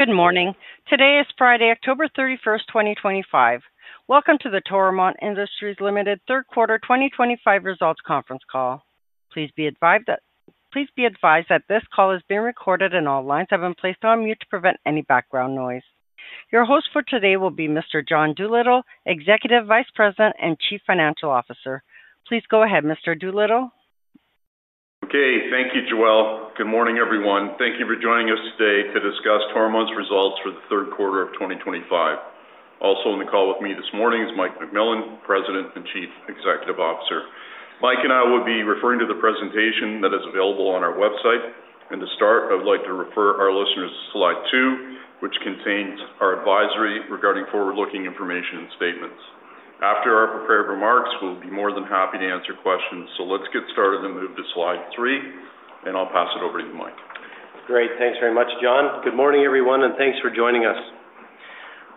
Good morning. Today is Friday, October 31, 2025. Welcome to the Toromont Industries Limited Third Quarter 2025 Results Conference Call. Please be advised that this call is being recorded, and all lines have been placed on mute to prevent any background noise. Your host for today will be Mr. John Doolittle, Executive Vice President and Chief Financial Officer. Please go ahead, Mr. Doolittle. Okay. Thank you, Joelle. Good morning, everyone. Thank you for joining us today to discuss Toromont results for the third quarter of 2025. Also on the call with me this morning is Mike McMillan, President and Chief Executive Officer. Mike and I will be referring to the presentation that is available on our website. To start, I would like to refer our listeners to slide two, which contains our advisory regarding forward-looking information and statements. After our prepared remarks, we'll be more than happy to answer questions. Let's get started and move to slide three, and I'll pass it over to you, Mike. Great. Thanks very much, John. Good morning, everyone, and thanks for joining us.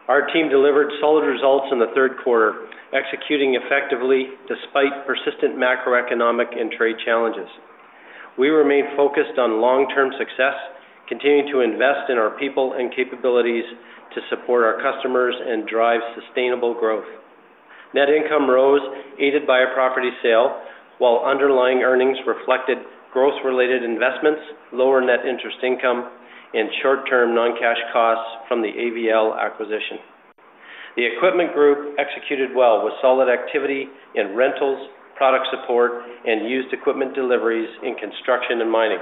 Our team delivered solid results in the third quarter, executing effectively despite persistent macroeconomic and trade challenges. We remained focused on long-term success, continuing to invest in our people and capabilities to support our customers and drive sustainable growth. Net income rose, aided by a property sale, while underlying earnings reflected growth-related investments, lower net interest income, and short-term non-cash costs from the AVL acquisition. The Equipment Group executed well with solid activity in rentals, product support, and used equipment deliveries in construction and mining.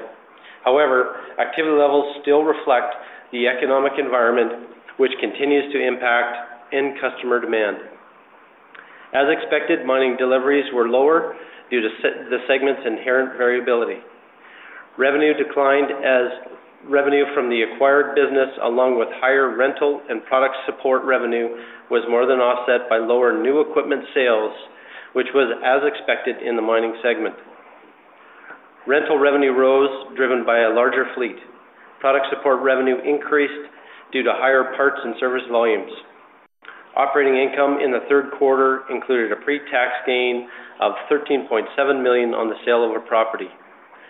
However, activity levels still reflect the economic environment, which continues to impact end customer demand. As expected, mining deliveries were lower due to the segment's inherent variability. Revenue declined as revenue from the acquired business, along with higher rental and product support revenue, was more than offset by lower new equipment sales, which was as expected in the mining segment. Rental revenue rose, driven by a larger fleet. Product support revenue increased due to higher parts and service volumes. Operating income in the third quarter included a pre-tax gain of $13.7 million on the sale of a property.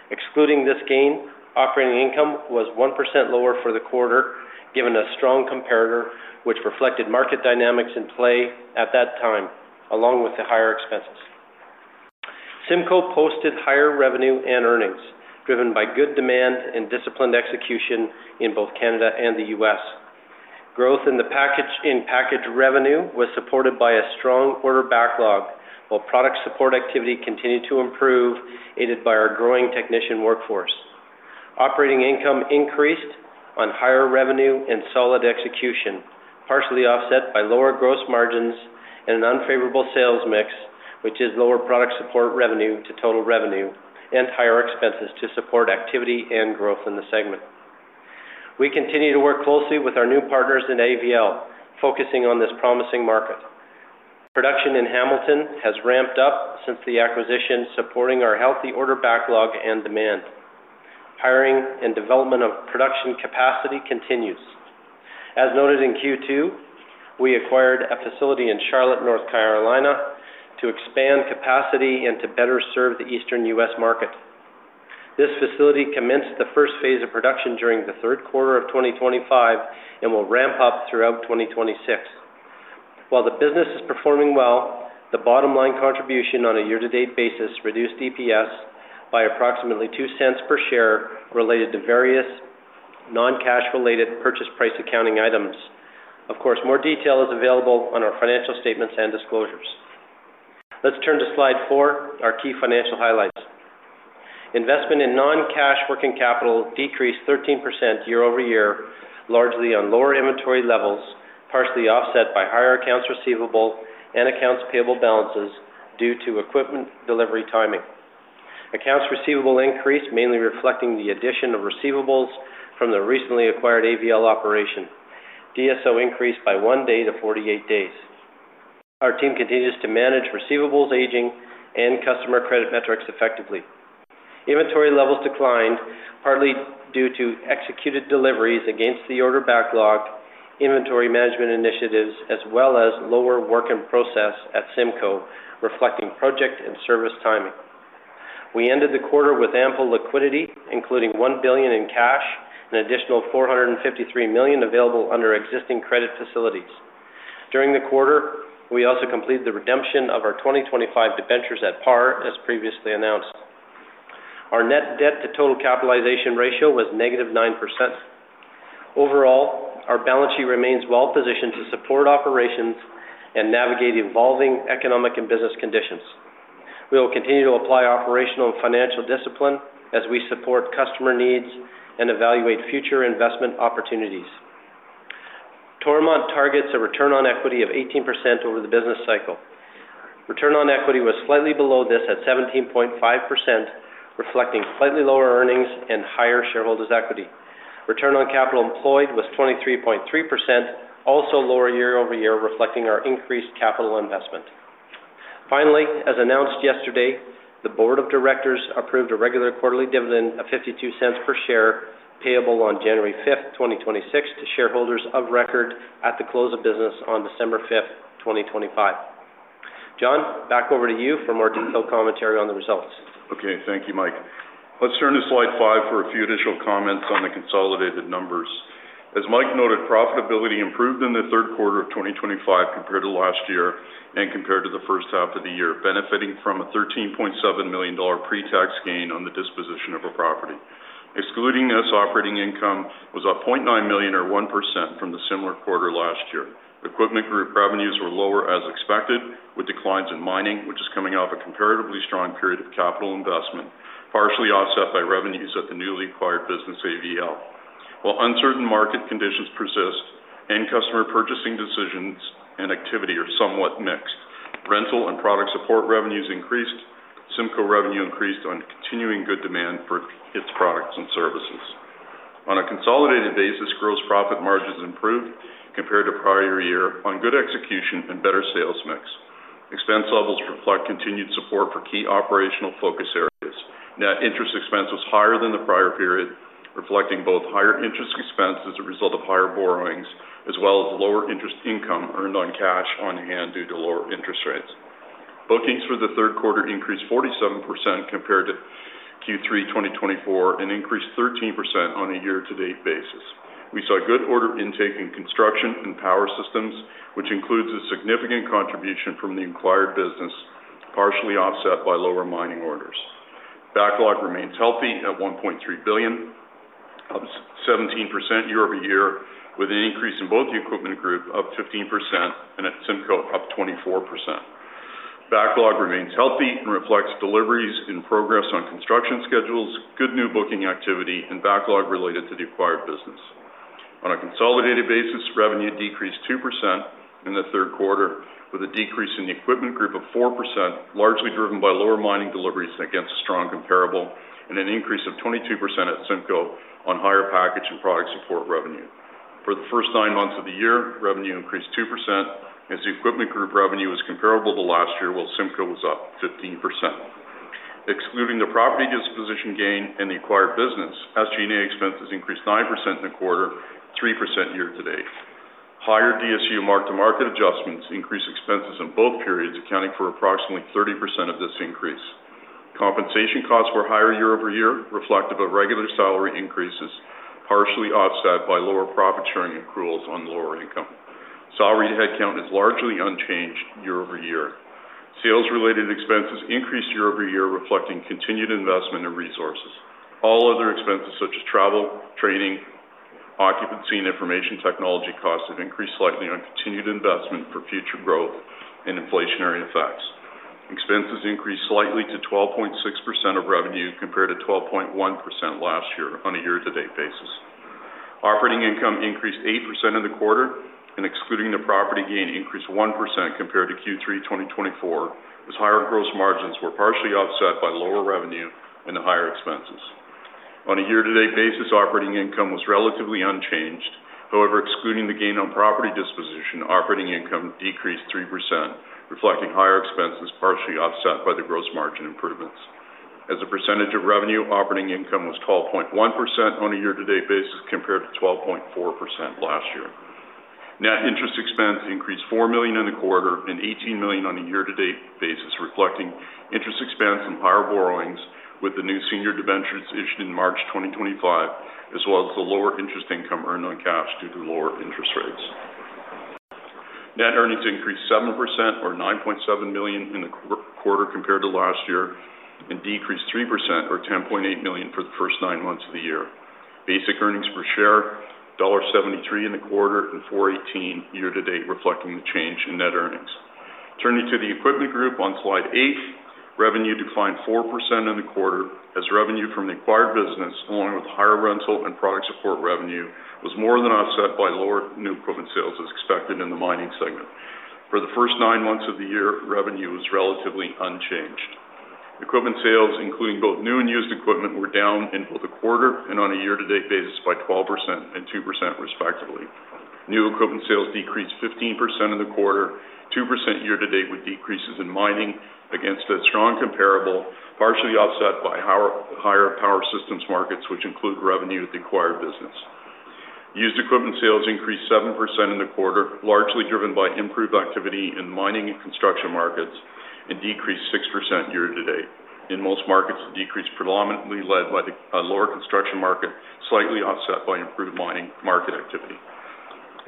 Excluding this gain, operating income was 1% lower for the quarter, given a strong competitor, which reflected market dynamics in play at that time, along with the higher expenses. CIMCO posted higher revenue and earnings, driven by good demand and disciplined execution in both Canada and the U.S. Growth in package revenue was supported by a strong order backlog, while product support activity continued to improve, aided by our growing technician workforce. Operating income increased on higher revenue and solid execution, partially offset by lower gross margins and an unfavorable sales mix, which is lower product support revenue to total revenue and higher expenses to support activity and growth in the segment. We continue to work closely with our new partners in AVL, focusing on this promising market. Production in Hamilton has ramped up since the acquisition, supporting our healthy order backlog and demand. Hiring and development of production capacity continues. As noted in Q2, we acquired a facility in Charlotte, North Carolina, to expand capacity and to better serve the Eastern U.S. market. This facility commenced the first phase of production during the third quarter of 2025 and will ramp up throughout 2026. While the business is performing well, the bottom-line contribution on a year-to-date basis reduced EPS by approximately $0.02 per share related to various non-cash-related purchase price accounting items. Of course, more detail is available on our financial statements and disclosures. Let's turn to slide four, our key financial highlights. Investment in non-cash working capital decreased 13% year-over-year, largely on lower inventory levels, partially offset by higher accounts receivable and accounts payable balances due to equipment delivery timing. Accounts receivable increased, mainly reflecting the addition of receivables from the recently acquired AVL operation. DSO increased by one day to 48 days. Our team continues to manage receivables aging and customer credit metrics effectively. Inventory levels declined, partly due to executed deliveries against the order backlog, inventory management initiatives, as well as lower work in process at CIMCO, reflecting project and service timing. We ended the quarter with ample liquidity, including $1 billion in cash and an additional $453 million available under existing credit facilities. During the quarter, we also completed the redemption of our 2025 debentures at par, as previously announced. Our net debt-to-total capitalization ratio was negative 9%. Overall, our balance sheet remains well-positioned to support operations and navigate evolving economic and business conditions. We will continue to apply operational and financial discipline as we support customer needs and evaluate future investment opportunities. Toromont targets a return on equity of 18% over the business cycle. Return on equity was slightly below this at 17.5%, reflecting slightly lower earnings and higher shareholders' equity. Return on capital employed was 23.3%, also lower year-over-year, reflecting our increased capital investment. Finally, as announced yesterday, the board of directors approved a regular quarterly dividend of $0.52 per share payable on January 5th, 2026, to shareholders of record at the close of business on December 5th, 2025. John, back over to you for more detailed commentary on the results. Okay. Thank you, Mike. Let's turn to slide five for a few additional comments on the consolidated numbers. As Mike noted, profitability improved in the third quarter of 2025 compared to last year and compared to the first half of the year, benefiting from a $13.7 million pre-tax gain on the disposition of a property. Excluding this, operating income was $0.9 million, or 1%, from the similar quarter last year. Equipment Group revenues were lower as expected, with declines in mining, which is coming off a comparatively strong period of capital investment, partially offset by revenues at the newly acquired business AVL. While uncertain market conditions persist, end customer purchasing decisions and activity are somewhat mixed. Rental and product support revenues increased. CIMCO revenue increased on continuing good demand for its products and services. On a consolidated basis, gross profit margins improved compared to prior year on good execution and better sales mix. Expense levels reflect continued support for key operational focus areas. Net interest expense was higher than the prior period, reflecting both higher interest expense as a result of higher borrowings, as well as lower interest income earned on cash on hand due to lower interest rates. Bookings for the third quarter increased 47% compared to Q3 2024 and increased 13% on a year-to-date basis. We saw good order intake in construction and power systems, which includes a significant contribution from the acquired business, partially offset by lower mining orders. Backlog remains healthy at $1.3 billion, up 17% year-over-year, with an increase in both the Equipment Group of 15% and at CIMCO up 24%. Backlog remains healthy and reflects deliveries in progress on construction schedules, good new booking activity, and backlog related to the acquired business. On a consolidated basis, revenue decreased 2% in the third quarter, with a decrease in the Equipment Group of 4%, largely driven by lower mining deliveries against a strong comparable, and an increase of 22% at CIMCO on higher package and product support revenue. For the first nine months of the year, revenue increased 2%, as the Equipment Group revenue was comparable to last year, while CIMCO was up 15%. Excluding the property disposition gain and the acquired business, SG&A expenses increased 9% in the quarter, 3% year-to-date. Higher DSU mark-to-market adjustments increased expenses in both periods, accounting for approximately 30% of this increase. Compensation costs were higher year-over-year, reflective of regular salary increases, partially offset by lower profit sharing accruals on lower income. Salary headcount is largely unchanged year-over-year. Sales-related expenses increased year-over-year, reflecting continued investment in resources. All other expenses, such as travel, training, occupancy, and information technology costs, have increased slightly on continued investment for future growth and inflationary effects. Expenses increased slightly to 12.6% of revenue compared to 12.1% last year on a year-to-date basis. Operating income increased 8% in the quarter, and excluding the property gain, increased 1% compared to Q3 2024, as higher gross margins were partially offset by lower revenue and the higher expenses. On a year-to-date basis, operating income was relatively unchanged. However, excluding the gain on property disposition, operating income decreased 3%, reflecting higher expenses partially offset by the gross margin improvements. As a percentage of revenue, operating income was 12.1% on a year-to-date basis compared to 12.4% last year. Net interest expense increased $4 million in the quarter and $18 million on a year-to-date basis, reflecting interest expense and higher borrowings with the new senior debentures issued in March 2025, as well as the lower interest income earned on cash due to lower interest rates. Net earnings increased 7%, or $9.7 million in the quarter compared to last year, and decreased 3%, or $10.8 million for the first nine months of the year. Basic earnings per share, $1.73 in the quarter and $4.18 year-to-date, reflecting the change in net earnings. Turning to the Equipment Group on slide eight, revenue declined 4% in the quarter, as revenue from the acquired business, along with higher rental and product support revenue, was more than offset by lower new equipment sales as expected in the mining segment. For the first nine months of the year, revenue was relatively unchanged. Equipment sales, including both new and used equipment, were down in both the quarter and on a year-to-date basis by 12% and 2%, respectively. New equipment sales decreased 15% in the quarter, 2% year-to-date with decreases in mining against a strong comparable, partially offset by higher power systems markets, which include revenue at the acquired business. Used equipment sales increased 7% in the quarter, largely driven by improved activity in the mining and construction markets, and decreased 6% year-to-date. In most markets, the decrease was predominantly led by the lower construction market, slightly offset by improved mining market activity.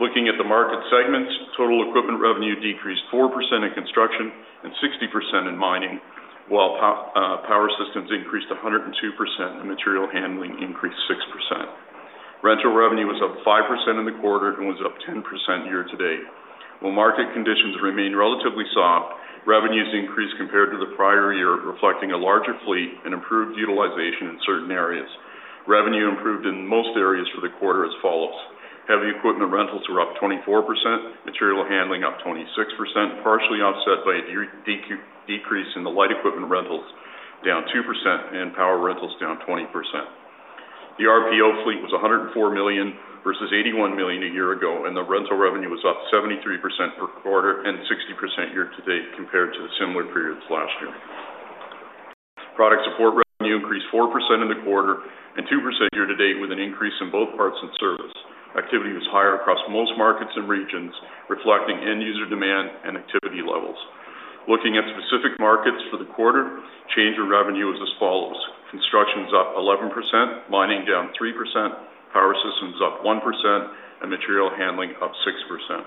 Looking at the market segments, total equipment revenue decreased 4% in construction and 60% in mining, while power systems increased 102% and material handling increased 6%. Rental revenue was up 5% in the quarter and was up 10% year-to-date. While market conditions remained relatively soft, revenues increased compared to the prior year, reflecting a larger fleet and improved utilization in certain areas. Revenue improved in most areas for the quarter as follows. Heavy equipment rentals were up 24%, material handling up 26%, partially offset by a decrease in the light equipment rentals, down 2%, and power rentals down 20%. The RPO fleet was $104 million versus $81 million a year ago, and the rental revenue was up 73% per quarter and 60% year-to-date compared to the similar periods last year. Product support revenue increased 4% in the quarter and 2% year-to-date, with an increase in both parts and service. Activity was higher across most markets and regions, reflecting end-user demand and activity levels. Looking at specific markets for the quarter, change in revenue was as follows: construction is up 11%, mining down 3%, power systems up 1%, and material handling up 6%.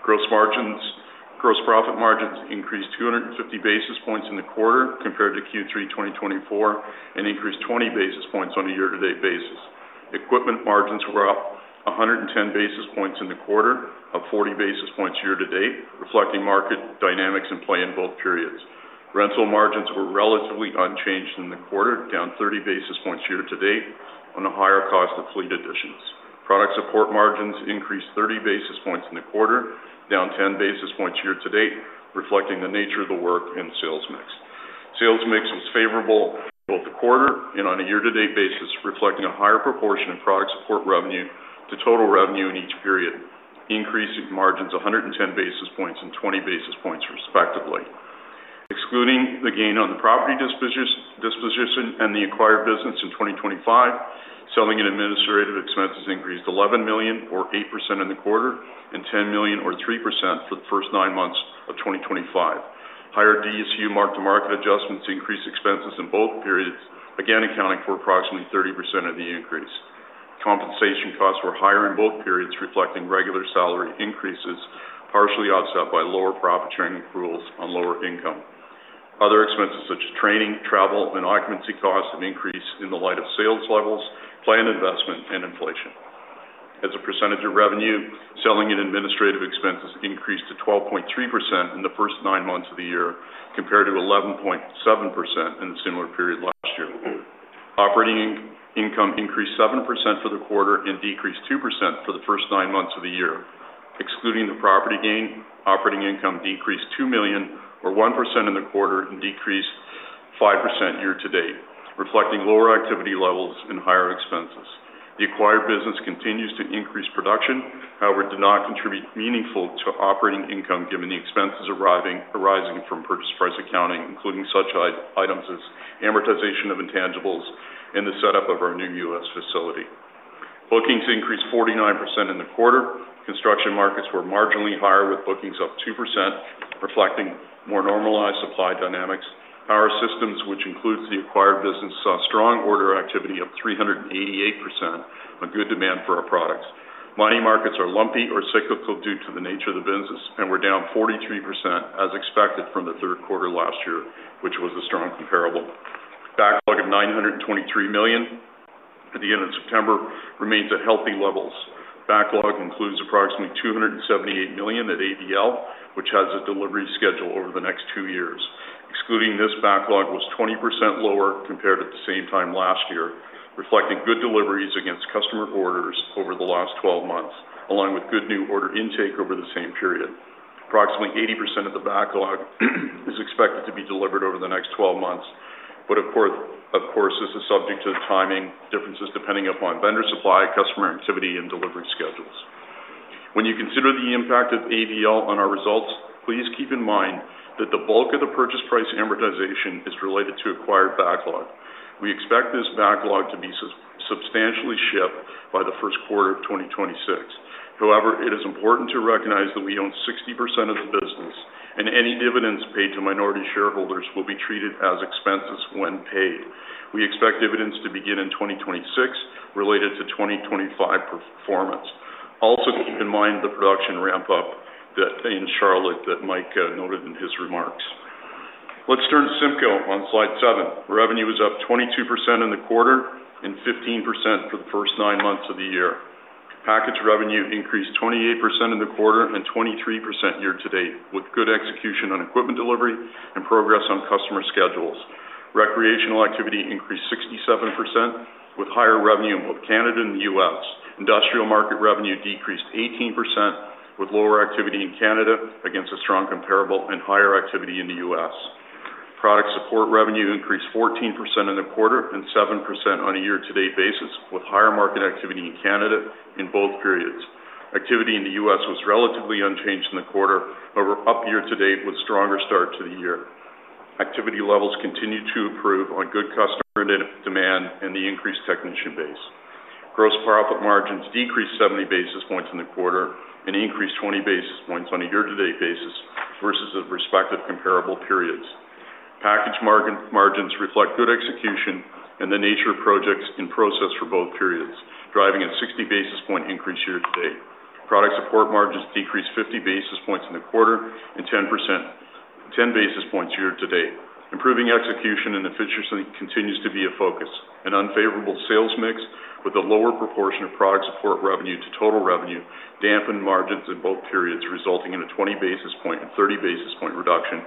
Gross profit margins increased 250 basis points in the quarter compared to Q3 2024 and increased 20 basis points on a year-to-date basis. Equipment margins were up 110 basis points in the quarter, up 40 basis points year-to-date, reflecting market dynamics in play in both periods. Rental margins were relatively unchanged in the quarter, down 30 basis points year-to-date on a higher cost of fleet additions. Product support margins increased 30 basis points in the quarter, down 10 basis points year-to-date, reflecting the nature of the work and sales mix. Sales mix was favorable both the quarter and on a year-to-date basis, reflecting a higher proportion of product support revenue to total revenue in each period, increasing margins 110 basis points and 20 basis points, respectively. Excluding the gain on the property disposition and the acquired business in 2025, selling and administrative expenses increased $11 million, or 8% in the quarter, and $10 million, or 3% for the first nine months of 2025. Higher DSU mark-to-market adjustments increased expenses in both periods, again accounting for approximately 30% of the increase. Compensation costs were higher in both periods, reflecting regular salary increases, partially offset by lower profit sharing accruals on lower income. Other expenses, such as training, travel, and occupancy costs, have increased in the light of sales levels, planned investment, and inflation. As a percentage of revenue, selling and administrative expenses increased to 12.3% in the first nine months of the year compared to 11.7% in the similar period last year. Operating income increased 7% for the quarter and decreased 2% for the first nine months of the year. Excluding the property gain, operating income decreased $2 million, or 1% in the quarter, and decreased 5% year-to-date, reflecting lower activity levels and higher expenses. The acquired business continues to increase production; however, it did not contribute meaningfully to operating income given the expenses arising from purchase price accounting, including such items as amortization of intangibles and the setup of our new U.S. facility. Bookings increased 49% in the quarter. Construction markets were marginally higher, with bookings up 2%, reflecting more normalized supply dynamics. Power systems, which includes the acquired business, saw strong order activity up 388%, a good demand for our products. Mining markets are lumpy or cyclical due to the nature of the business and were down 43%, as expected, from the third quarter last year, which was a strong comparable. Backlog of $923 million at the end of September remains at healthy levels. Backlog includes approximately $278 million at AVL, which has a delivery schedule over the next two years. Excluding this backlog, it was 20% lower compared to the same time last year, reflecting good deliveries against customer orders over the last 12 months, along with good new order intake over the same period. Approximately 80% of the backlog is expected to be delivered over the next 12 months, but of course, this is subject to timing differences depending upon vendor supply, customer activity, and delivery schedules. When you consider the impact of AVL on our results, please keep in mind that the bulk of the purchase price amortization is related to acquired backlog. We expect this backlog to be substantially shipped by the first quarter of 2026. However, it is important to recognize that we own 60% of the business, and any dividends paid to minority shareholders will be treated as expenses when paid. We expect dividends to begin in 2026, related to 2025 performance. Also, keep in mind the production ramp-up in Charlotte that Mike noted in his remarks. Let's turn to CIMCO on slide seven. Revenue was up 22% in the quarter and 15% for the first nine months of the year. Package revenue increased 28% in the quarter and 23% year-to-date, with good execution on equipment delivery and progress on customer schedules. Recreational activity increased 67%, with higher revenue in both Canada and the U.S. Industrial market revenue decreased 18%, with lower activity in Canada against a strong comparable and higher activity in the U.S. Product support revenue increased 14% in the quarter and 7% on a year-to-date basis, with higher market activity in Canada in both periods. Activity in the U.S. was relatively unchanged in the quarter, but up year-to-date with a stronger start to the year. Activity levels continued to improve on good customer demand and the increased technician base. Gross profit margins decreased 70 basis points in the quarter and increased 20 basis points on a year-to-date basis versus the respective comparable periods. Package margins reflect good execution and the nature of projects in process for both periods, driving a 60 basis point increase year-to-date. Product support margins decreased 50 basis points in the quarter and 10 basis points year-to-date. Improving execution and efficiency continues to be a focus. An unfavorable sales mix with a lower proportion of product support revenue to total revenue dampened margins in both periods, resulting in a 20 basis point and 30 basis point reduction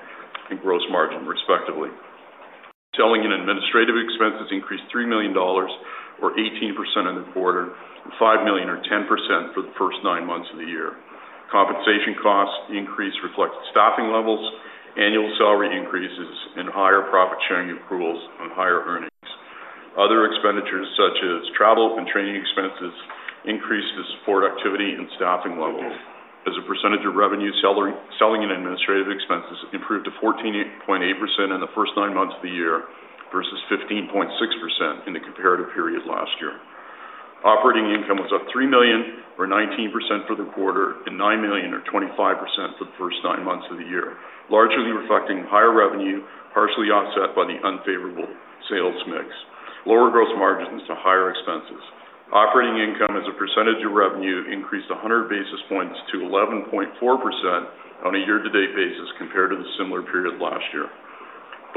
in gross margin, respectively. Selling and administrative expenses increased $3 million, or 18% in the quarter, and $5 million, or 10%, for the first nine months of the year. Compensation costs increased, reflecting staffing levels, annual salary increases, and higher profit sharing accruals on higher earnings. Other expenditures, such as travel and training expenses, increased to support activity and staffing levels. As a percentage of revenue, selling and administrative expenses improved to 14.8% in the first nine months of the year versus 15.6% in the comparative period last year. Operating income was up $3 million, or 19%, for the quarter, and $9 million, or 25%, for the first nine months of the year, largely reflecting higher revenue, partially offset by the unfavorable sales mix. Lower gross margins to higher expenses. Operating income, as a percentage of revenue, increased 100 basis points to 11.4% on a year-to-date basis compared to the similar period last year.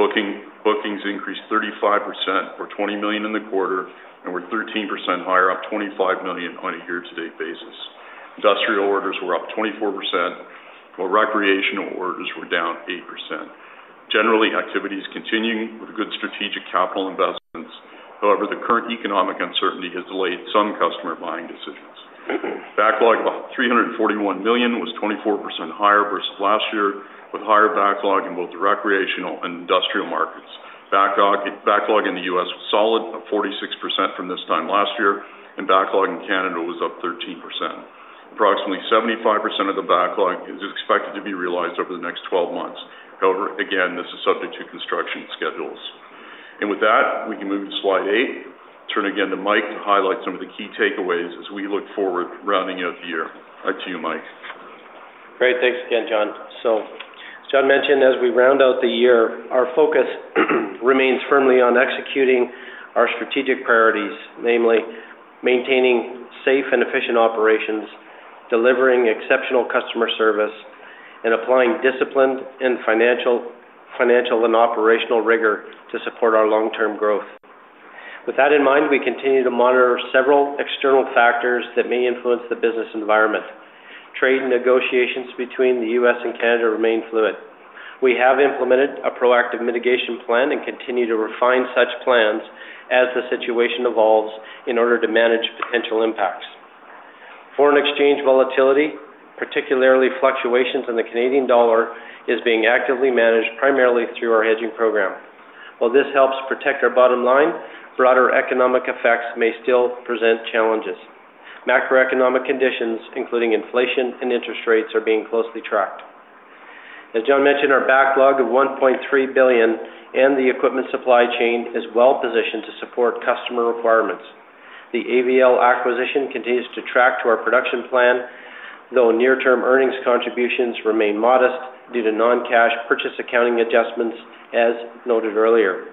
Bookings increased 35%, or $20 million in the quarter, and were 13% higher, up $25 million on a year-to-date basis. Industrial orders were up 24%, while recreational orders were down 8%. Generally, activity is continuing with good strategic capital investments. However, the current economic uncertainty has delayed some customer buying decisions. Backlog of $341 million was 24% higher versus last year, with higher backlog in both the recreational and industrial markets. Backlog in the U.S. was solid, up 46% from this time last year, and backlog in Canada was up 13%. Approximately 75% of the backlog is expected to be realized over the next 12 months. However, this is subject to construction schedules. With that, we can move to slide eight. Turn again to Mike to highlight some of the key takeaways as we look forward rounding out the year. Back to you, Mike. Great. Thanks again, John. As John mentioned, as we round out the year, our focus remains firmly on executing our strategic priorities, namely maintaining safe and efficient operations, delivering exceptional customer service, and applying discipline and financial and operational rigor to support our long-term growth. With that in mind, we continue to monitor several external factors that may influence the business environment. Trade negotiations between the U.S. and Canada remain fluid. We have implemented a proactive mitigation plan and continue to refine such plans as the situation evolves in order to manage potential impacts. Foreign exchange volatility, particularly fluctuations in the Canadian dollar, is being actively managed primarily through our hedging program. While this helps protect our bottom line, broader economic effects may still present challenges. Macroeconomic conditions, including inflation and interest rates, are being closely tracked. As John mentioned, our backlog of $1.3 billion and the equipment supply chain is well-positioned to support customer requirements. The AVL acquisition continues to track to our production plan, though near-term earnings contributions remain modest due to non-cash purchase accounting adjustments, as noted earlier.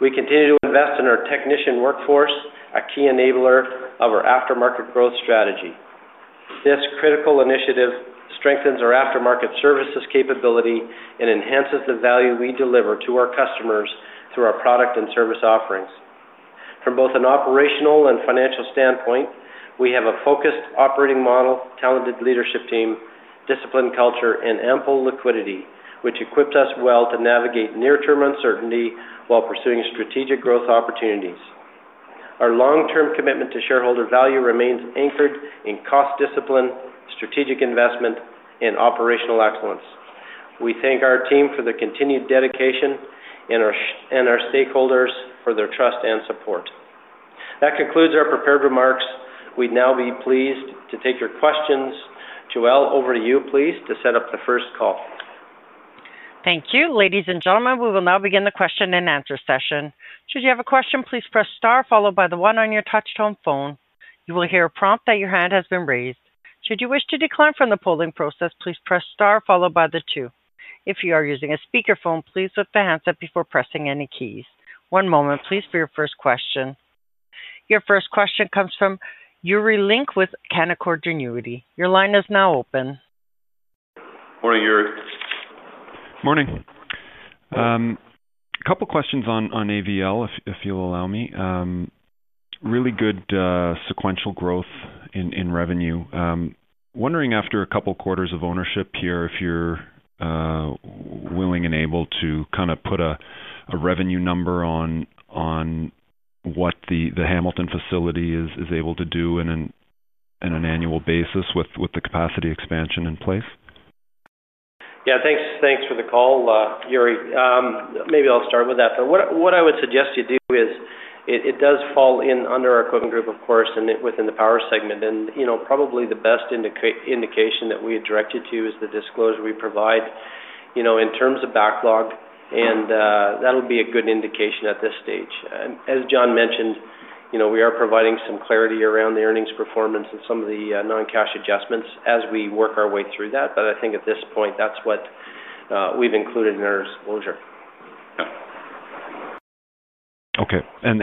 We continue to invest in our technician workforce, a key enabler of our aftermarket growth strategy. This critical initiative strengthens our aftermarket services capability and enhances the value we deliver to our customers through our product and service offerings. From both an operational and financial standpoint, we have a focused operating model, talented leadership team, disciplined culture, and ample liquidity, which equips us well to navigate near-term uncertainty while pursuing strategic growth opportunities. Our long-term commitment to shareholder value remains anchored in cost discipline, strategic investment, and operational excellence. We thank our team for their continued dedication and our stakeholders for their trust and support. That concludes our prepared remarks. We'd now be pleased to take your questions. Joelle, over to you, please, to set up the first call. Thank you. Ladies and gentlemen, we will now begin the question and answer session. Should you have a question, please press star followed by the one on your touch-tone phone. You will hear a prompt that your hand has been raised. Should you wish to decline from the polling process, please press star followed by the two. If you are using a speakerphone, please lift the handset before pressing any keys. One moment, please, for your first question. Your first question comes from Yuri Lynk with Canaccord Genuity. Your line is now open. Morning, Yuri. Morning. A couple of questions on AVL, if you'll allow me. Really good sequential growth in revenue. Wondering after a couple of quarters of ownership here if you're willing and able to kind of put a revenue number on what the Hamilton facility is able to do on an annual basis with the capacity expansion in place. Yeah. Thanks for the call, Yuri. Maybe I'll start with that. What I would suggest you do is it does fall in under our Equipment Group, of course, and within the power segment. Probably the best indication that we would direct you to is the disclosure we provide in terms of backlog, and that would be a good indication at this stage. As John mentioned, we are providing some clarity around the earnings performance and some of the non-cash adjustments as we work our way through that. I think at this point, that's what we've included in our disclosure.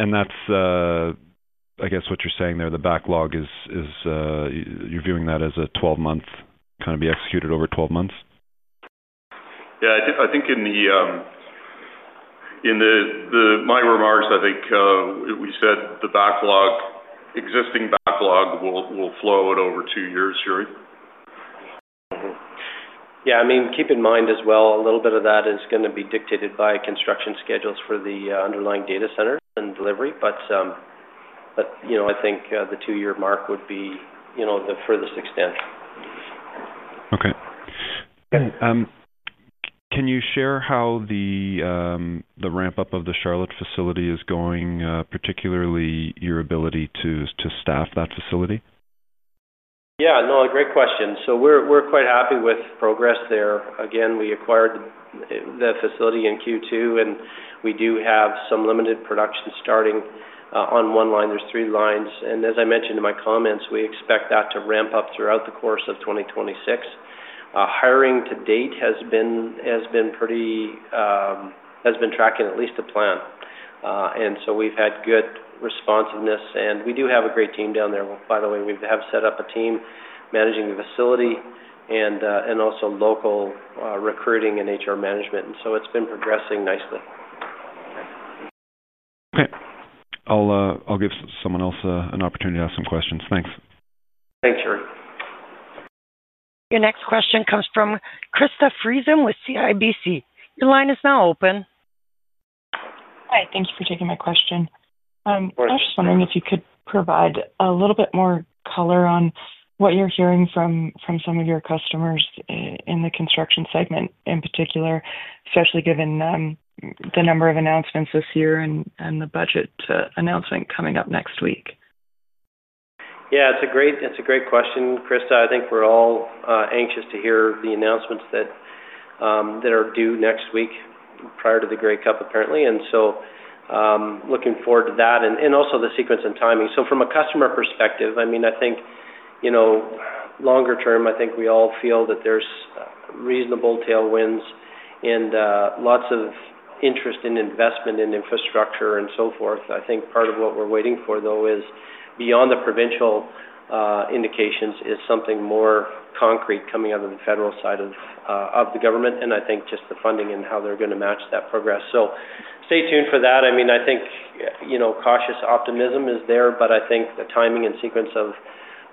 That's, I guess, what you're saying there, the backlog is. You're viewing that as a 12-month, kind of be executed over 12 months? Yeah. I think in my remarks, I think we said the existing backlog will flow out over two years, Yuri. Keep in mind as well, a little bit of that is going to be dictated by construction schedules for the underlying data center and delivery. I think the two-year mark would be the furthest extent. Can you share how the ramp-up of the Charlotte, North Carolina facility is going, particularly your ability to staff that facility? Yeah, great question. We're quite happy with progress there. We acquired the facility in Q2, and we do have some limited production starting on one line. There are three lines, and as I mentioned in my comments, we expect that to ramp up throughout the course of 2026. Hiring to date has been tracking at least to plan, and we've had good responsiveness. We do have a great team down there. By the way, we have set up a team managing the facility and also local recruiting and HR management, so it's been progressing nicely. I'll give someone else an opportunity to ask some questions. Thanks. Thanks, Yuri. Your next question comes from Krista Friesen with CIBC. Your line is now open. Hi. Thank you for taking my question. I'm just wondering if you could provide a little bit more color on what you're hearing from some of your customers in the construction segment in particular, especially given the number of announcements this year and the budget announcement coming up next week. Yeah, it's a great question, Krista. I think we're all anxious to hear the announcements that are due next week prior to the Grey Cup, apparently. Looking forward to that and also the sequence and timing. From a customer perspective, I think longer term, we all feel that there's reasonable tailwinds and lots of interest in investment in infrastructure and so forth. Part of what we're waiting for, though, is beyond the provincial indications, is something more concrete coming out of the federal side of the government. I think just the funding and how they're going to match that progress. Stay tuned for that. I think cautious optimism is there, but I think the timing and sequence of.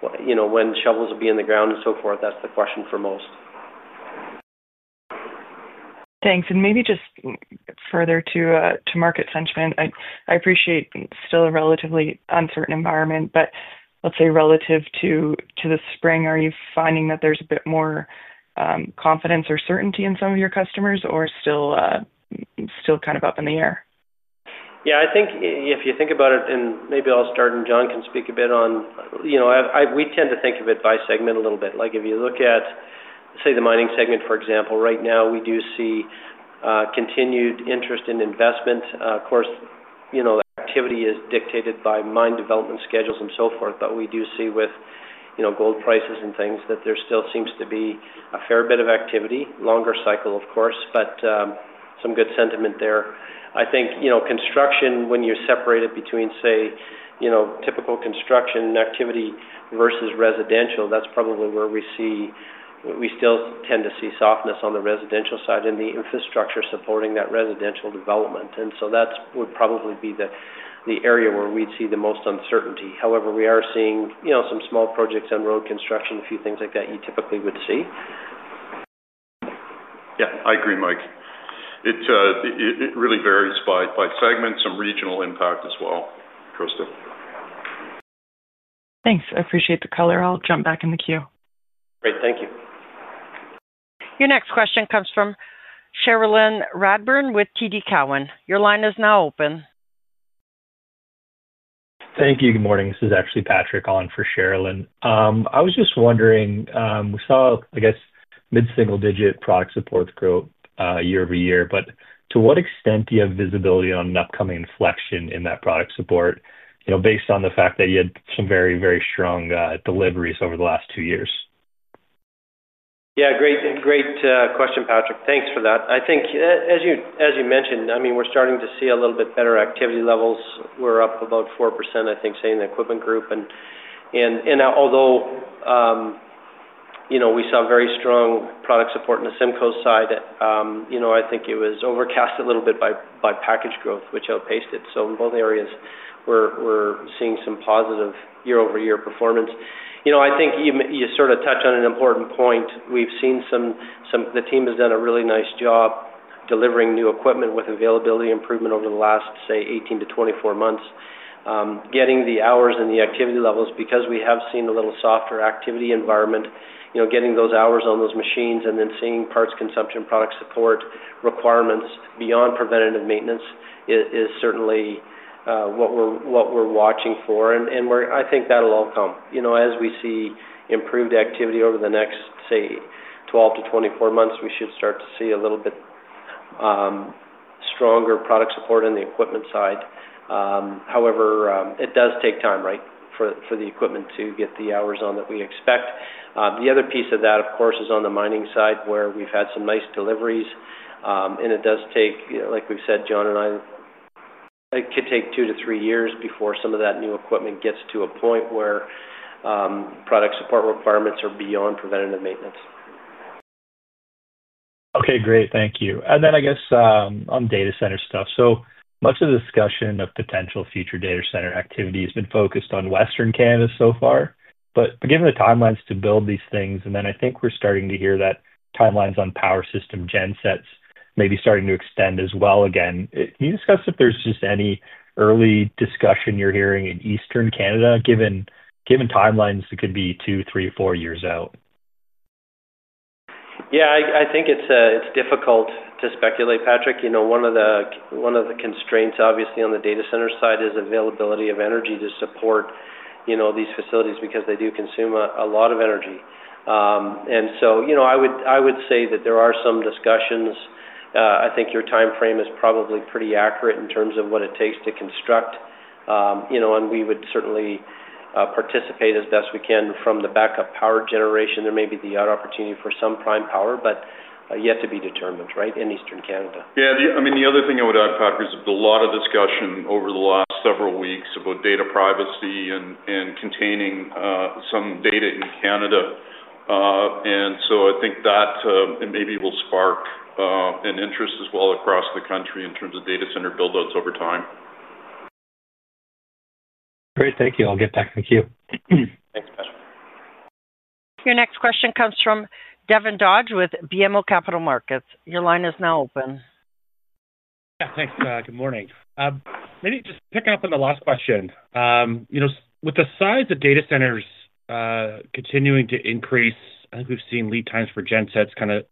When shovels will be in the ground and so forth, that's the question for most. Thanks. Maybe just further to MarketCentral, I appreciate it's still a relatively uncertain environment, but let's say relative to the spring, are you finding that there's a bit more confidence or certainty in some of your customers or still kind of up in the air? Yeah. I think if you think about it, and maybe I'll start, and John can speak a bit on. We tend to think of it by segment a little bit. If you look at, say, the mining segment, for example, right now, we do see continued interest in investment. Of course, activity is dictated by mine development schedules and so forth. We do see with gold prices and things that there still seems to be a fair bit of activity, longer cycle, of course, but some good sentiment there. I think construction, when you separate it between, say, typical construction activity versus residential, that's probably where we still tend to see softness on the residential side in the infrastructure supporting that residential development. That would probably be the area where we'd see the most uncertainty. However, we are seeing some small projects on road construction, a few things like that you typically would see. Yeah. I agree, Mike. It really varies by segment, some regional impact as well, Krista. Thanks. I appreciate the color. I'll jump back in the queue. Great. Thank you. Your next question comes from Cherilyn Radbourne with TD Cowen. Your line is now open. Thank you. Good morning. This is actually Patrick on for Cherilyn. I was just wondering, we saw, I guess, mid-single-digit product support growth year-over-year, but to what extent do you have visibility on an upcoming inflection in that product support based on the fact that you had some very, very strong deliveries over the last two years? Yeah. Great question, Patrick. Thanks for that. I think, as you mentioned, I mean, we're starting to see a little bit better activity levels. We're up about 4%, I think, say in the Equipment Group. Although we saw very strong product support on the CIMCO side, I think it was overcast a little bit by package growth, which outpaced it. In both areas, we're seeing some positive year-over-year performance. I think you sort of touched on an important point. We've seen some. The team has done a really nice job delivering new equipment with availability improvement over the last, say, 18-24 months. Getting the hours and the activity levels, because we have seen a little softer activity environment, getting those hours on those machines and then seeing parts consumption, product support requirements beyond preventative maintenance is certainly what we're watching for. I think that'll all come. As we see improved activity over the next, say, 12-24 months, we should start to see a little bit stronger product support on the equipment side. However, it does take time, right, for the equipment to get the hours on that we expect. The other piece of that, of course, is on the mining side where we've had some nice deliveries. It does take, like we've said, John and I, it could take two to three years before some of that new equipment gets to a point where product support requirements are beyond preventative maintenance. Okay. Great. Thank you. Then I guess on data center stuff, so much of the discussion of potential future data center activity has been focused on Western Canada so far. Given the timelines to build these things, and then I think we're starting to hear that timelines on power system gensets may be starting to extend as well again, can you discuss if there's just any early discussion you're hearing in Eastern Canada, given timelines that could be two, three, four years out? Yeah. I think it's difficult to speculate, Patrick. One of the constraints, obviously, on the data center side is availability of energy to support these facilities because they do consume a lot of energy. I would say that there are some discussions. I think your timeframe is probably pretty accurate in terms of what it takes to construct. We would certainly participate as best we can from the backup power generation. There may be the opportunity for some prime power, but yet to be determined, right, in Eastern Canada. Yeah. The other thing I would add, Patrick, is a lot of discussion over the last several weeks about data privacy and containing some data in Canada. I think that maybe will spark an interest as well across the country in terms of data center build-outs over time. Great. Thank you. I'll get back in the queue. Thanks, Patrick. Your next question comes from Devin Dodge with BMO Capital Markets. Your line is now open. Yeah. Thanks. Good morning. Maybe just picking up on the last question. With the size of data centers continuing to increase, I think we've seen lead times for gensets kind of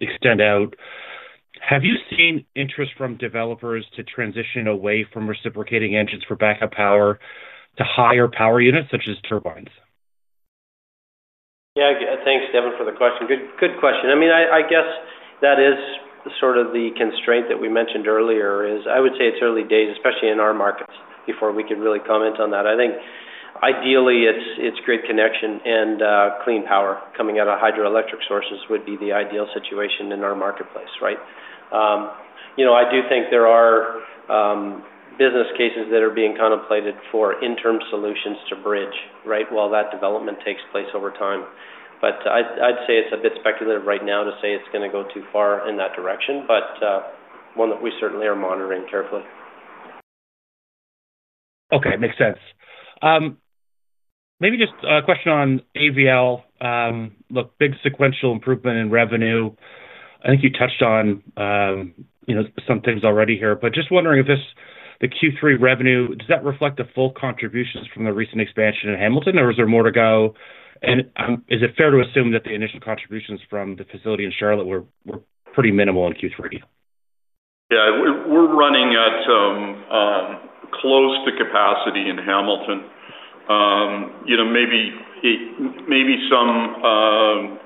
extend out. Have you seen interest from developers to transition away from reciprocating engines for backup power to higher power units such as turbines? Yeah. Thanks, Devin, for the question. Good question. I guess that is sort of the constraint that we mentioned earlier. I would say it's early days, especially in our markets, before we could really comment on that. I think ideally, it's great connection and clean power coming out of hydroelectric sources would be the ideal situation in our marketplace, right? I do think there are business cases that are being contemplated for interim solutions to bridge while that development takes place over time. I'd say it's a bit speculative right now to say it's going to go too far in that direction, but one that we certainly are monitoring carefully. Okay. Makes sense. Maybe just a question on AVL. Look, big sequential improvement in revenue. I think you touched on some things already here, but just wondering if the Q3 revenue, does that reflect the full contributions from the recent expansion in Hamilton, or is there more to go? And is it fair to assume that the initial contributions from the facility in Charlotte were pretty minimal in Q3? Yeah. We're running at close to capacity in Hamilton. Maybe some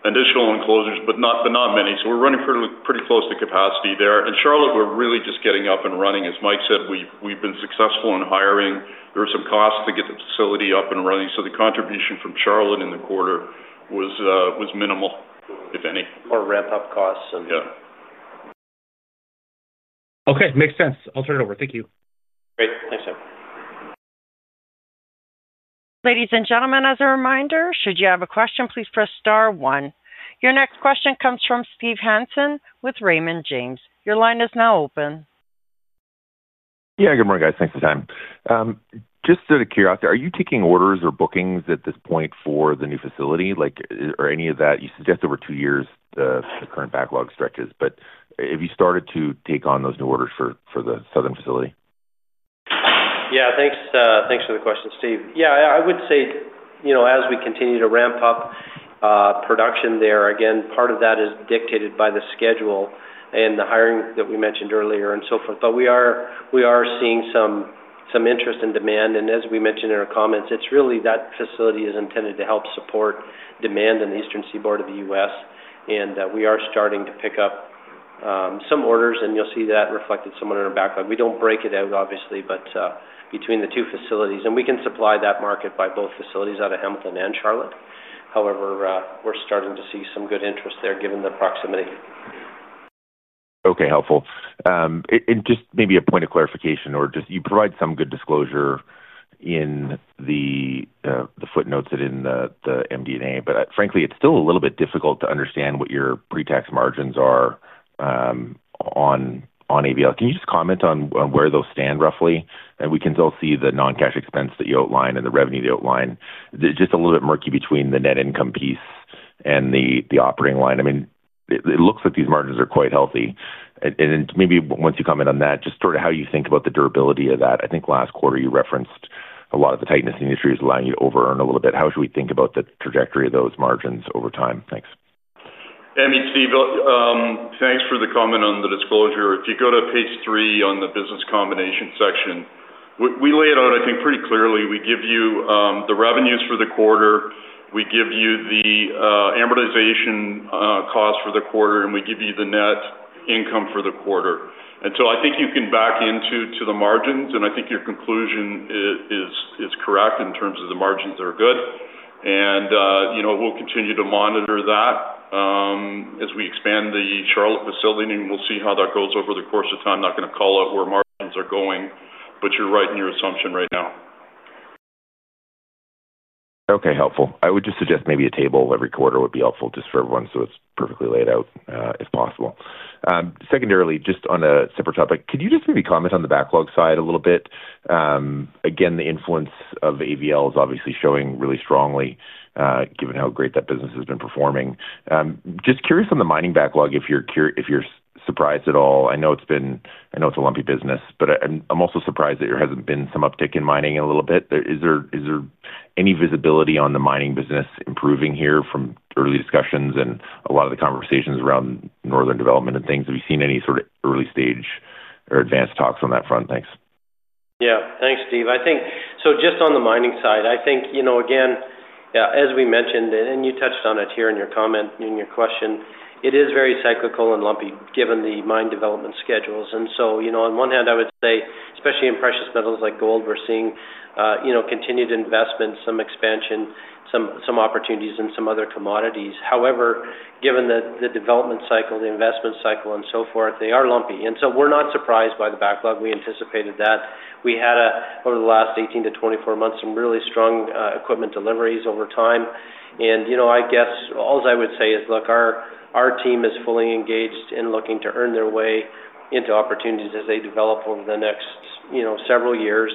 additional enclosures, but not many. We're running pretty close to capacity there. In Charlotte, we're really just getting up and running. As Mike said, we've been successful in hiring. There were some costs to get the facility up and running. The contribution from Charlotte in the quarter was minimal, if any, or ramp-up costs. Yeah. Okay. Makes sense. I'll turn it over. Thank you. Great. Thanks, sir. Ladies and gentlemen, as a reminder, should you have a question, please press star one. Your next question comes from Steve Hansen with Raymond James. Your line is now open. Yeah. Good morning, guys. Thanks for the time. Just to clear out there, are you taking orders or bookings at this point for the new facility? You suggest over two years the current backlog stretches, but have you started to take on those new orders for the southern facility? Yeah. Thanks for the question, Steve. Yeah. I would say as we continue to ramp up production there, again, part of that is dictated by the schedule and the hiring that we mentioned earlier and so forth. We are seeing some interest and demand. As we mentioned in our comments, that facility is intended to help support demand in the Eastern Seaboard of the U.S. We are starting to pick up some orders, and you'll see that reflected somewhat in our backlog. We don't break it out, obviously, between the two facilities. We can supply that market by both facilities out of Hamilton and Charlotte. However, we're starting to see some good interest there given the proximity. Okay. Helpful. Maybe a point of clarification, or just you provide some good disclosure in the footnotes and in the MD&A, but frankly, it's still a little bit difficult to understand what your pre-tax margins are on AVL. Can you just comment on where those stand roughly? We can still see the non-cash expense that you outline and the revenue you outline, just a little bit murky between the net income piece and the operating line. It looks like these margins are quite healthy. Maybe once you comment on that, just sort of how you think about the durability of that. I think last quarter you referenced a lot of the tightness in the industry is allowing you to over-earn a little bit. How should we think about the trajectory of those margins over time? Thanks. Steve, thanks for the comment on the disclosure. If you go to page three on the business combination section, we lay it out, I think, pretty clearly. We give you the revenues for the quarter. We give you the amortization cost for the quarter, and we give you the net income for the quarter. I think you can back into the margins, and I think your conclusion is correct in terms of the margins that are good. We'll continue to monitor that as we expand the Charlotte facility, and we'll see how that goes over the course of time. Not going to call out where margins are going, but you're right in your assumption right now. Okay. Helpful. I would just suggest maybe a table every quarter would be helpful just for everyone so it's perfectly laid out if possible. Secondarily, just on a separate topic, could you just maybe comment on the backlog side a little bit? Again, the influence of AVL is obviously showing really strongly given how great that business has been performing. Just curious on the mining backlog, if you're surprised at all. I know it's been a lumpy business, but I'm also surprised that there hasn't been some uptick in mining a little bit. Is there any visibility on the mining business improving here from early discussions and a lot of the conversations around northern development and things? Have you seen any sort of early stage or advanced talks on that front? Thanks. Yeah. Thanks, Steve. Just on the mining side, I think, again, as we mentioned, and you touched on it here in your comment and your question, it is very cyclical and lumpy given the mine development schedules. On one hand, I would say, especially in precious metals like gold, we're seeing continued investment, some expansion, some opportunities, and some other commodities. However, given the development cycle, the investment cycle, and so forth, they are lumpy. We're not surprised by the backlog. We anticipated that. We had, over the last 18 to 24 months, some really strong equipment deliveries over time. All I would say is, look, our team is fully engaged in looking to earn their way into opportunities as they develop over the next several years.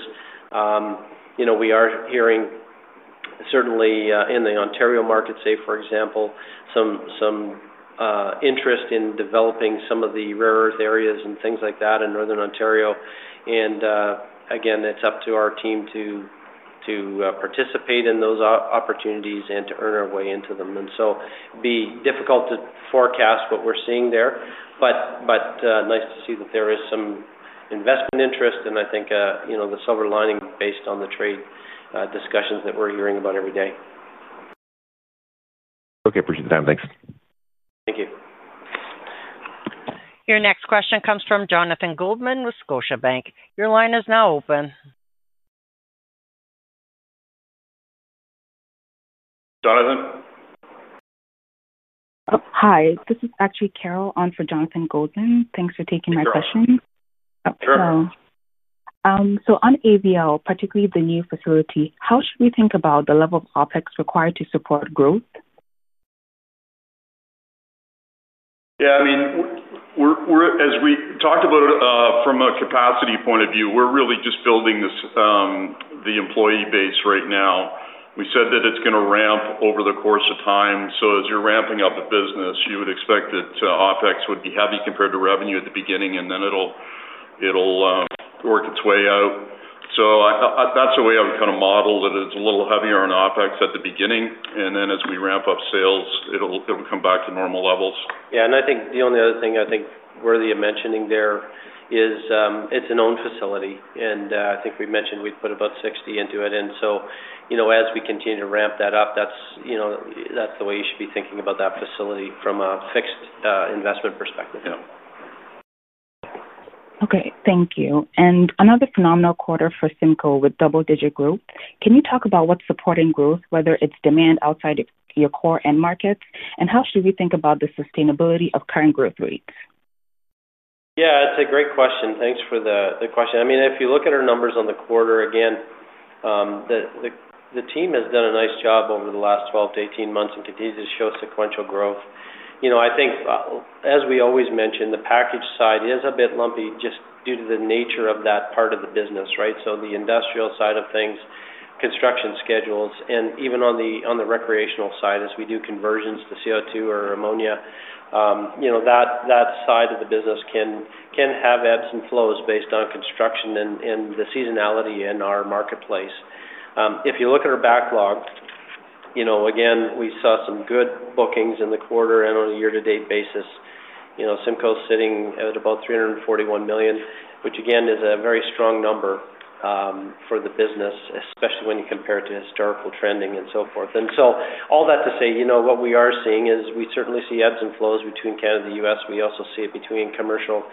We are hearing, certainly in the Ontario Market, say, for example, some interest in developing some of the rare earth areas and things like that in northern Ontario. It's up to our team to participate in those opportunities and to earn our way into them. It'd be difficult to forecast what we're seeing there, but nice to see that there is some investment interest. I think the silver lining based on the trade discussions that we're hearing about every day. Okay. Appreciate the time. Thanks. Thank you. Your next question comes from Jonathan Goldman with Scotiabank. Your line is now open. Jonathan? Hi. This is actually Carol on for Jonathan Goldman. Thanks for taking my question. Sure. On AVL, particularly the new facility, how should we think about the level of OpEx required to support growth? Yeah. As we talked about from a capacity point of view, we're really just building the employee base right now. We said that it's going to ramp over the course of time. As you're ramping up the business, you would expect that OpEx would be heavy compared to revenue at the beginning, and then it'll work its way out. That's the way I would kind of model that. It's a little heavier on OpEx at the beginning, and then as we ramp up sales, it'll come back to normal levels. I think the only other thing worthy of mentioning there is it's an owned facility. I think we mentioned we'd put about $60 million into it. As we continue to ramp that up, that's the way you should be thinking about that facility from a fixed investment perspective. Thank you. Another phenomenal quarter for CIMCO with double-digit growth. Can you talk about what's supporting growth, whether it's demand outside of your core end markets, and how should we think about the sustainability of current growth rates? It's a great question. Thanks for the question. If you look at our numbers on the quarter, again, the team has done a nice job over the last 12-18 months and continues to show sequential growth. I think, as we always mention, the package side is a bit lumpy just due to the nature of that part of the business, right? The industrial side of things, construction schedules, and even on the recreational side, as we do conversions to CO2 or ammonia, that side of the business can have ebbs and flows based on construction and the seasonality in our marketplace. If you look at our backlog, we saw some good bookings in the quarter and on a year-to-date basis. CIMCO's sitting at about $341 million, which again is a very strong number for the business, especially when you compare it to historical trending and so forth. All that to say, what we are seeing is we certainly see ebbs and flows between Canada and the U.S. We also see it between commercial,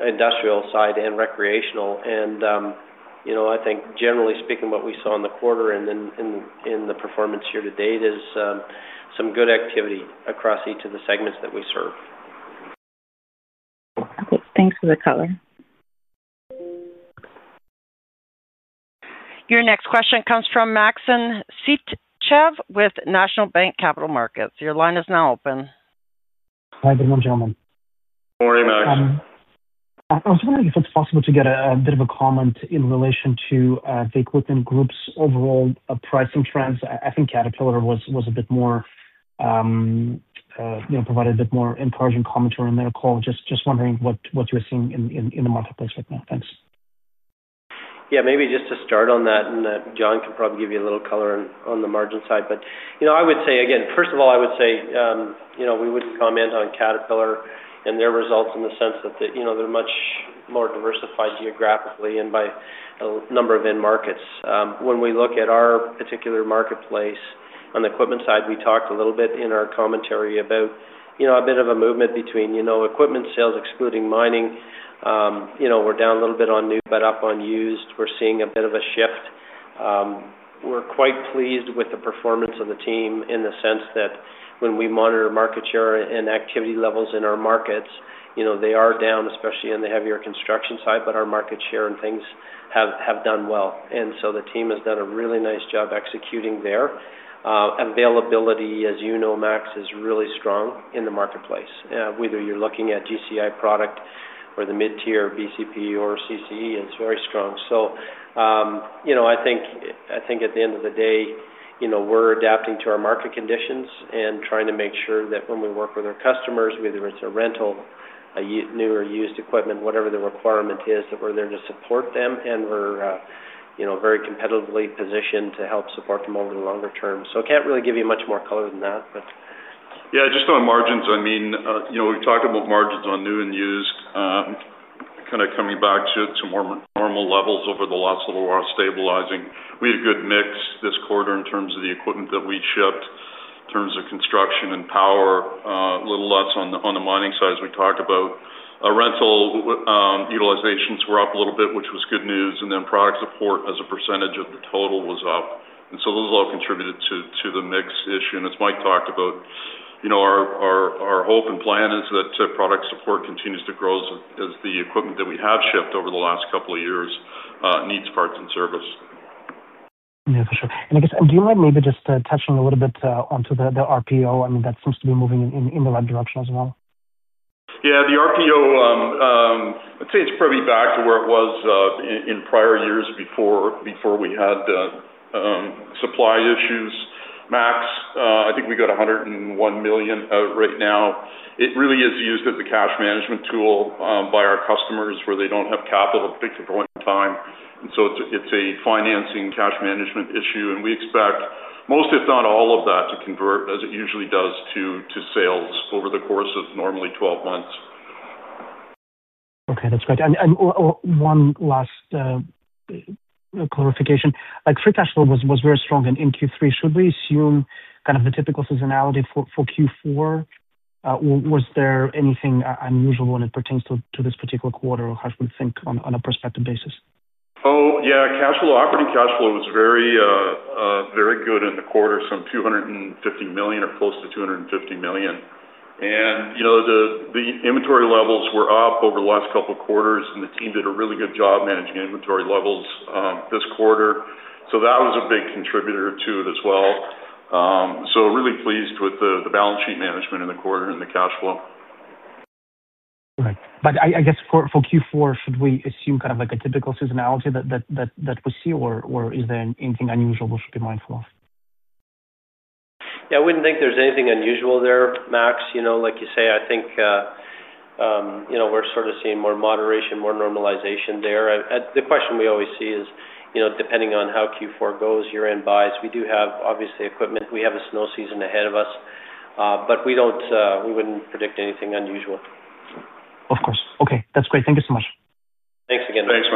industrial side, and recreational. I think, generally speaking, what we saw in the quarter and in the performance year to date is some good activity across each of the segments that we serve. Thanks for the color. Your next question comes from Maxim Sytchev with National Bank Capital Markets. Your line is now open. Hi. Good morning, gentlemen. Good morning, Max. I was wondering if it's possible to get a bit of a comment in relation to the Equipment Group's overall pricing trends. I think Caterpillar was a bit more, provided a bit more encouraging commentary in their call. Just wondering what you're seeing in the marketplace right now. Thanks. Maybe just to start on that, and John can probably give you a little color on the margin side. I would say, again, first of all, I would say we wouldn't comment on Caterpillar and their results in the sense that they're much more diversified geographically and by a number of end markets. When we look at our particular marketplace on the equipment side, we talked a little bit in our commentary about a bit of a movement between equipment sales, excluding mining. We're down a little bit on new, but up on used. We're seeing a bit of a shift. We're quite pleased with the performance of the team in the sense that when we monitor market share and activity levels in our markets, they are down, especially on the heavier construction side, but our market share and things have done well. The team has done a really nice job executing there. Availability, as you know, Max, is really strong in the marketplace. Whether you're looking at GCI product or the mid-tier BCP or CCE, it's very strong. I think at the end of the day, we're adapting to our market conditions and trying to make sure that when we work with our customers, whether it's a rental, a new, or used equipment, whatever the requirement is, that we're there to support them. We're very competitively positioned to help support them over the longer term. I can't really give you much more color than that. Just on margins, I mean, we've talked about margins on new and used, kind of coming back to more normal levels over the last little while, stabilizing. We had a good mix this quarter in terms of the equipment that we shipped, in terms of construction and power. A little less on the mining side, as we talked about. Rental utilizations were up a little bit, which was good news. Product support as a percentage of the total was up, and those all contributed to the mix issue. As Mike talked about, our hope and plan is that product support continues to grow as the equipment that we have shipped over the last couple of years needs parts and service. For sure. I guess, do you mind maybe just touching a little bit onto the RPO? I mean, that seems to be moving in the right direction as well. The RPO, I'd say it's probably back to where it was in prior years before we had supply issues. Max, I think we got $101 million right now. It really is used as a cash management tool by our customers where they don't have capital at a particular point in time. It's a financing cash management issue. We expect most, if not all of that, to convert, as it usually does, to sales over the course of normally 12 months. Okay. That's great. One last clarification. Free cash flow was very strong in Q3. Should we assume kind of the typical seasonality for Q4? Was there anything unusual when it pertains to this particular quarter, or how should we think on a prospective basis? Oh, yeah. Operating cash flow was very good in the quarter, some $250 million or close to $250 million. The inventory levels were up over the last couple of quarters, and the team did a really good job managing inventory levels this quarter. That was a big contributor to it as well. Really pleased with the balance sheet management in the quarter and the cash flow. Right. For Q4, should we assume kind of a typical seasonality that we see, or is there anything unusual we should be mindful of? Yeah. I wouldn't think there's anything unusual there, Max. Like you say, I think we're sort of seeing more moderation, more normalization there. The question we always see is, depending on how Q4 goes, year-end buys, we do have, obviously, equipment. We have a snow season ahead of us. We wouldn't predict anything unusual. Of course. Okay. That's great. Thank you so much. Thanks again. Thanks,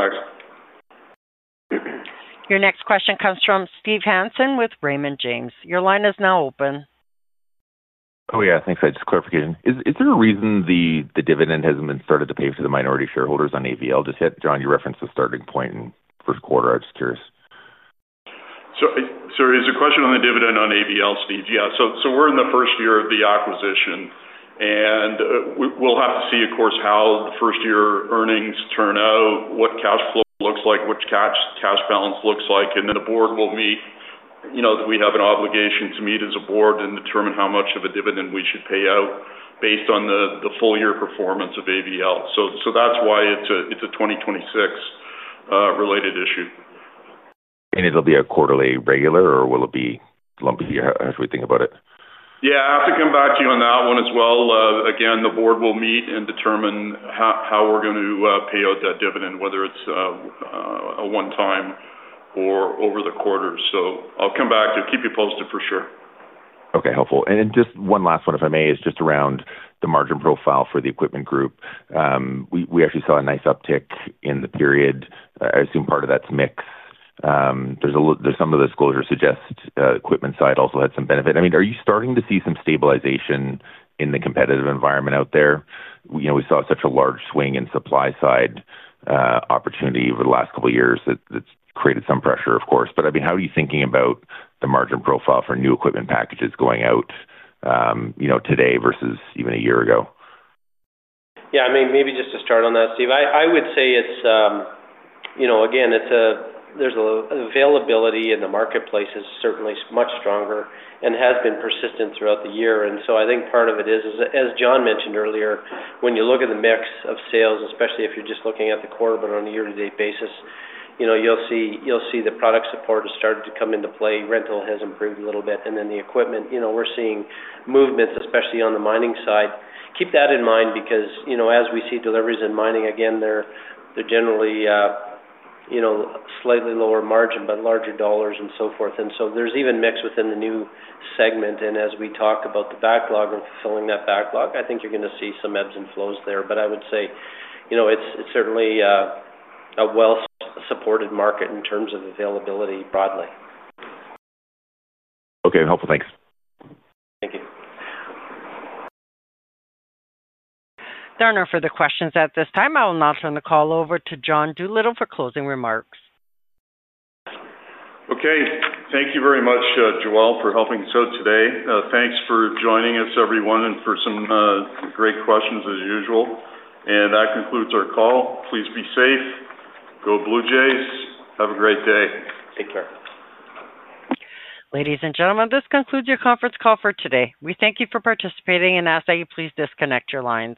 Max. Your next question comes from Steve Hansen with Raymond James. Your line is now open. Oh, yeah. Thanks for that clarification. Is there a reason the dividend hasn't been started to pay for the minority shareholders on AVL? Just, John, you referenced the starting point in the first quarter. I was just curious. There is a question on the dividend on AVL, Steve. Yeah. We're in the first year of the acquisition. We'll have to see, of course, how the first-year earnings turn out, what cash flow looks like, what cash balance looks like. The board will meet that we have an obligation to meet as a board and determine how much of a dividend we should pay out based on the full-year performance of AVL. That's why it's a 2026 related issue. It'll be a quarterly regular, or will it be lumpy? How should we think about it? Yeah. I have to come back to you on that one as well. Again, the board will meet and determine how we're going to pay out that dividend, whether it's a one-time or over the quarters. I'll come back to keep you posted for sure. Okay. Helpful. Just one last one, if I may, is just around the margin profile for the Equipment Group. We actually saw a nice uptick in the period. I assume part of that's mix. Some of the disclosures suggest the equipment side also had some benefit. Are you starting to see some stabilization in the competitive environment out there? We saw such a large swing in supply side opportunity over the last couple of years that's created some pressure, of course. How are you thinking about the margin profile for new equipment packages going out today versus even a year ago? Maybe just to start on that, Steve, I would say there's an availability in the marketplace that's certainly much stronger and has been persistent throughout the year. I think part of it is, as John mentioned earlier, when you look at the mix of sales, especially if you're just looking at the quarter, but on a year-to-date basis, you'll see the product support has started to come into play. Rental has improved a little bit. The equipment, we're seeing movements, especially on the mining side. Keep that in mind because as we see deliveries in mining, they're generally slightly lower margin, but larger dollars and so forth. There's even mix within the new segment. As we talk about the backlog and fulfilling that backlog, I think you're going to see some ebbs and flows there. I would say it's certainly a well-supported market in terms of availability broadly. Okay. Helpful. Thanks. Thank you. There are no further questions at this time. I will now turn the call over to John Doolittle for closing remarks. Thank you very much, Joelle, for helping us out today. Thanks for joining us, everyone, and for some great questions, as usual. That concludes our call. Please be safe. Go Blue Jays. Have a great day. Take care. Ladies and gentlemen, this concludes your conference call for today. We thank you for participating and ask that you please disconnect your lines.